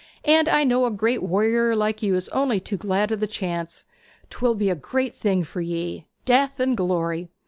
'And I know a great warrior like you is only too glad o' the chance. 'Twill be a great thing for ye, death and glory!